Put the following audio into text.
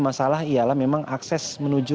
masalah ialah memang akses menuju